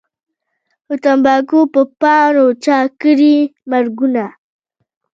د تمباکو په پاڼو چا کړي مرګونه